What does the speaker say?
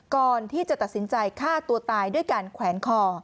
ก่อนที่จะตัดสินใจฆ่าตัวตายด้วยการแขวนคอ